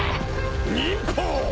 忍法！